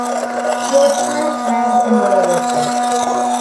Your true friend and well-wisher.